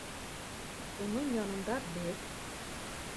Уның янында беҙ